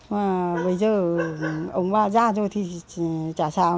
và bây giờ ông ba ra rồi thì chả sao